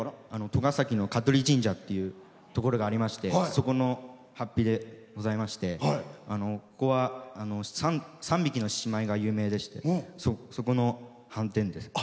戸ケ崎の香取神社っていうところがありましてそこのはっぴでございまして三匹の獅子舞が有名でしてそこの、はんてんです。